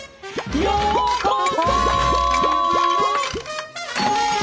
「ようこそ」